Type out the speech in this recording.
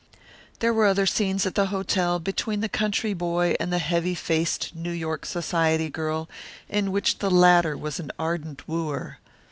There were other scenes at the hotel between the country boy and the heavy faced New York society girl, in which the latter was an ardent wooer.